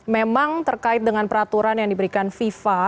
memang terkait dengan peraturan yang diberikan fifa